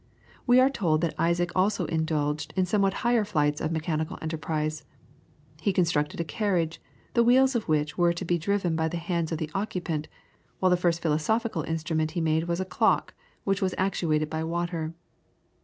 We are told that Isaac also indulged in somewhat higher flights of mechanical enterprise. He constructed a carriage, the wheels of which were to be driven by the hands of the occupant, while the first philosophical instrument he made was a clock, which was actuated by water.